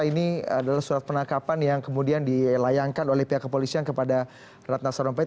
ini adalah surat penangkapan yang kemudian dilayangkan oleh pihak kepolisian kepada ratna sarumpait